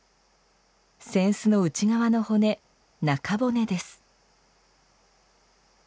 扇子の内側の骨、中骨です。